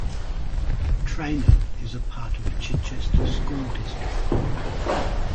Trainer is a part of Chichester School District.